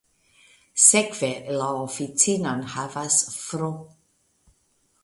Sekve la oficinon havis Fr.